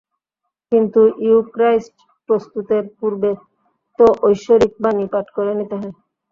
কিন্তু ইউক্রাইস্ট প্রস্তুতের পূর্বে তো ঐশ্বরিক বাণী পাঠ করে নিতে হয়!